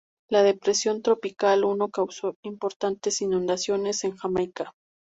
La Depresión Tropical Uno, causó importantes inundaciones en Jamaica.